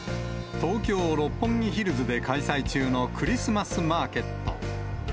東京・六本木ヒルズで開催中のクリスマスマーケット。